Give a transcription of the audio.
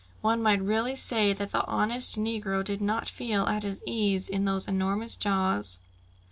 One might really say that the honest negro did not feel at his ease in those enormous jaws.